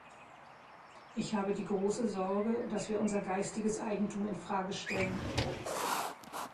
Ich habe die große Sorge, dass wir unser geistiges Eigentum in Frage stellen.